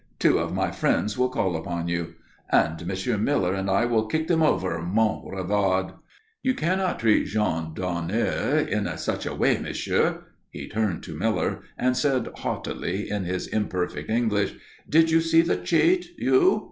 Two of my friends will call upon you." "And Monsieur Miller and I will kick them over Mont Revard." "You cannot treat gens d'honneur in such a way, monsieur." He turned to Miller, and said haughtily in his imperfect English, "Did you see the cheat, you?"